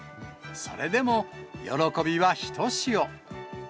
それでも喜びはひとしお。